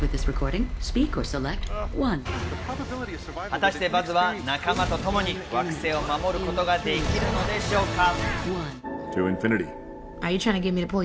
果たしてバズは仲間とともに惑星を守ることができるのでしょうか。